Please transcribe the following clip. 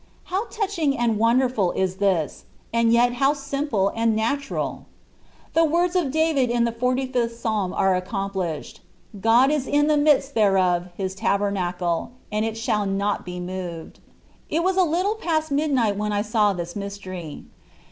How touching and wonderful is this, and yet how simple and natural. The words of David in the 45th Psalm are accomplished :" God is in the midst thereof (His tabernacle), and it shall not be moved." It was a little past midnight when I saw this mystery.